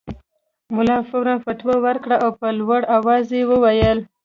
ملا فوراً فتوی ورکړه او په لوړ اواز یې وویل.